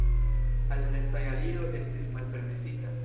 Al restaj aliro estis malpermesita.